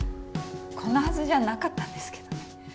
こんなはずじゃなかったんですけど。